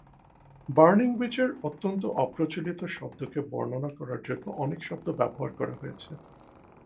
Burning witch এর অত্যন্ত অপ্রচলিত শব্দকে বর্ণনা করার জন্য অনেক শব্দ ব্যবহার করা হয়েছে।